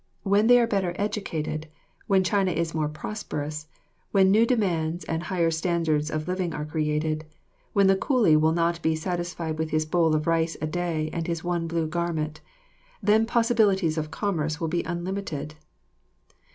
When they are better educated, when China is more prosperous, when new demands and higher standards of living are created, when the coolie will not be satisfied with his bowl of rice a day and his one blue garment, then possibilities of commerce will be unlimited.